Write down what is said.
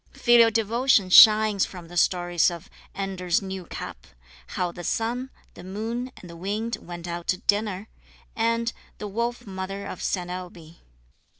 Filial devotion shines from the stories of "Anders' New Cap," "How the Sun, the Moon, and the Wind went out to Dinner," and "The Wolf Mother of Saint Ailbe."